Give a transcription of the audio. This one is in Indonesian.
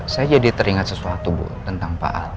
saya jadi teringat sesuatu bu tentang pak al